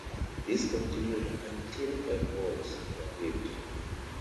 This continued until five balls were ruined.